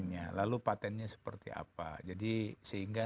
ya patentnya seperti apa sih